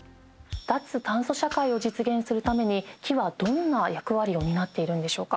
脱炭素社会を実現するために木はどんな役割を担っているんでしょうか？